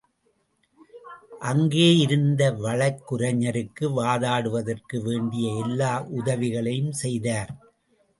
அங்கே இருந்த வழக்குரைஞருக்கு வாதாடுவதற்கு வேண்டிய எல்லா உதவிகளையும் செய்தார்.